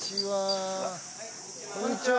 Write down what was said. こんにちは。